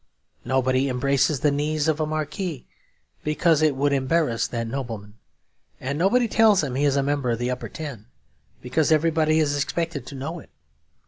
Nobody embraces the knees of a marquis, because it would embarrass that nobleman. And nobody tells him he is a member of the Upper Ten, because everybody is expected to know it.